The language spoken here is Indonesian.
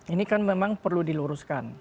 ini kan memang perlu diluruskan